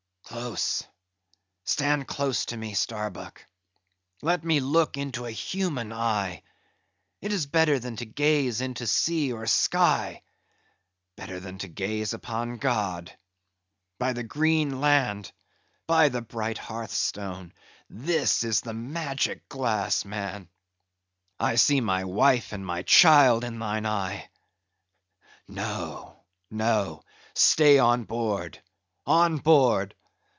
Close! stand close to me, Starbuck; let me look into a human eye; it is better than to gaze into sea or sky; better than to gaze upon God. By the green land; by the bright hearth stone! this is the magic glass, man; I see my wife and my child in thine eye. No, no; stay on board, on board!